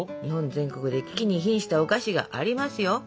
日本全国で危機に瀕したお菓子がありますよ。